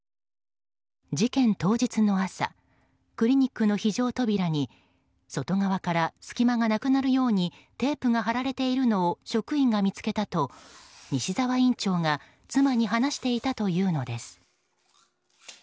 事件当日の朝クリニックの非常扉に外側から隙間がなくなるようにテープが貼られているのを職員が見つけたと西沢院長が妻に話していたというのです。